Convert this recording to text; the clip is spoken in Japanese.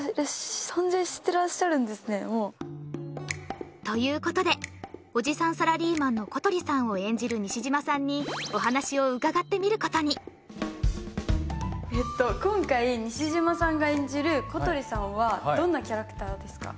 ホントにということでおじさんサラリーマンの小鳥さんを演じる西島さんにお話を伺ってみることに今回西島さんが演じる小鳥さんはどんなキャラクターですか？